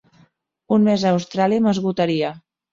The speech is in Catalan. Un mes a Austràlia m'esgotaria.